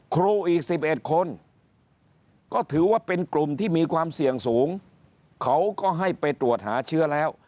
ครูอีก๑๑คนก็ถือว่าเป็นกลุ่มที่มีความเสี่ยงสูงเขาก็ให้ไปตรวจหาเชื้อแล้ว